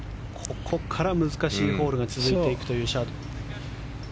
ここから難しいホールが続いていく、シャドフ。